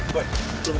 lah lah lah